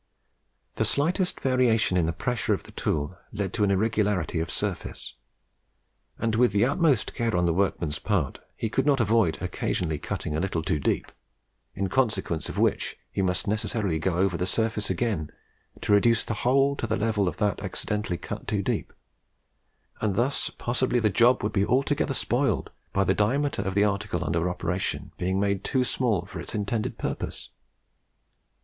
The slightest variation in the pressure of the tool led to an irregularity of surface; and with the utmost care on the workman's part, he could not avoid occasionally cutting a little too deep, in consequence of which he must necessarily go over the surface again, to reduce the whole to the level of that accidentally cut too deep; and thus possibly the job would be altogether spoiled by the diameter of the article under operation being made too small for its intended purpose.